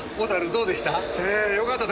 どうでした？